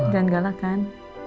jangan galak kan